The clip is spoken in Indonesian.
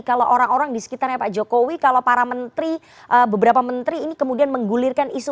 kalau orang orang di sekitarnya pak jokowi kalau para menteri beberapa menteri ini kemudian menggulirkan isu